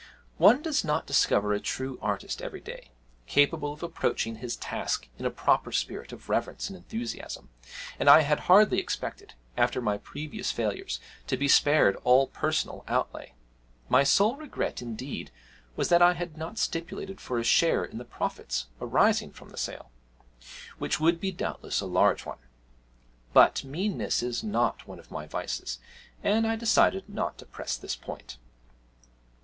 One does not discover a true artist every day, capable of approaching his task in a proper spirit of reverence and enthusiasm; and I had hardly expected, after my previous failures, to be spared all personal outlay. My sole regret, indeed, was that I had not stipulated for a share in the profits arising from the sale which would be doubtless a large one; but meanness is not one of my vices, and I decided not to press this point.